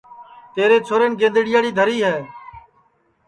تیرے چھورین گیڈؔیاڑی دھری ہے